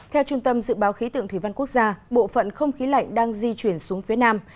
theo trung tâm dự báo khí tượng thủy văn quốc gia bộ phận không khí lạnh đang di chuyển xuống phía nam